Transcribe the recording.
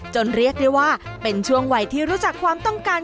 เรียกได้ว่าเป็นช่วงวัยที่รู้จักความต้องการ